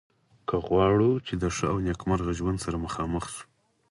که غواړو چې د ښه او نیکمرغه ژوند سره مخامخ شو.